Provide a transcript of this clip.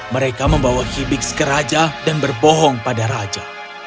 mereka membawa hibis ke raja dan berbohong pada raja